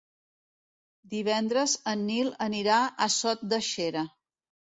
Divendres en Nil anirà a Sot de Xera.